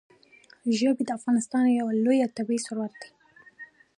ژبې د افغانستان یو لوی طبعي ثروت دی.